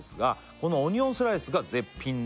「このオニオンスライスが絶品で」